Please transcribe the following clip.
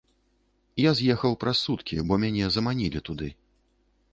Я з'ехаў праз суткі, бо мяне заманілі туды.